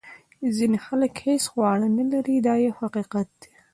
ځینې خلک هیڅ خواړه نه لري دا یو حقیقت دی.